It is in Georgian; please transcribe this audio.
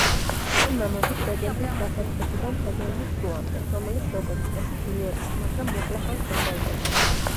წვიმა მოდის დეკემბრის დასაწყისიდან თებერვლის შუამდე, რომელიც როგორც წესი ძლიერია, მაგრამ მოკლე ხანს გრძელდება.